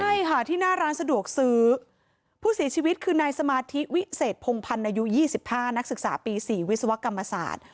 ใช่ค่ะที่หน้าร้านสะดวกซื้อผู้เสียชีวิตคือนายสมาธิวิเศษพงพันธ์อายุ๒๕นักศึกษาปี๔วิศวกรรมศาสตร์